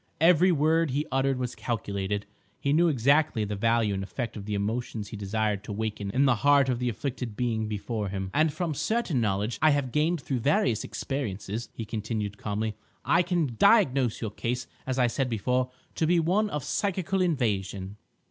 Every word he uttered was calculated; he knew exactly the value and effect of the emotions he desired to waken in the heart of the afflicted being before him. "And from certain knowledge I have gained through various experiences," he continued calmly, "I can diagnose your case as I said before to be one of psychical invasion."